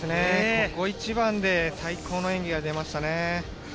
ここ一番で最高の演技が出ましたね。